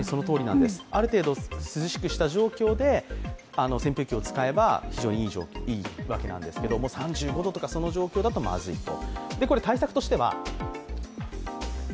ある程度、涼しくした状況で扇風機を使えば非常にいいわけなんですけど、３５度とか、その状況だとまずいと。